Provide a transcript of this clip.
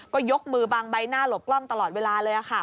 ก็ยกมือบางใบหน้าหลบกล้องตลอดเวลาเลยค่ะ